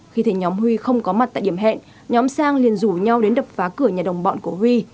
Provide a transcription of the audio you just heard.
khi thấy nhóm huy không có mặt tại điểm hẹn nhóm sang liền rủ nhau đến đập phá cửa nhà đồng bọn của huy